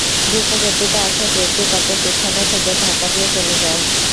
দ্রুত গতিতে আসা ট্রেনটি তাঁকে পেছন থেকে ধাক্কা দিয়ে চলে যায়।